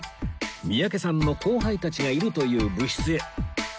三宅さんの後輩たちがいるという部室へ